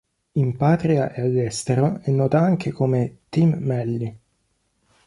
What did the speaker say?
In patria e all'estero è nota anche come Team Melli.